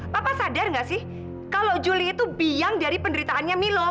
papa sadar nggak sih kalau juli itu biang dari penderitaannya milo